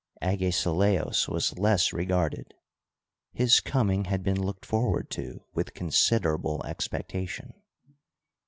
Agesilaos was less regarded. His coming had been looked wrward to with considerable expectation.